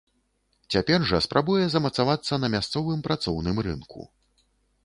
Цяпер жа спрабуе замацавацца на мясцовым працоўным рынку.